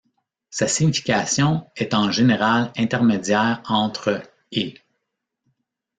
Sa signification est en général intermédiaire entre ' et '.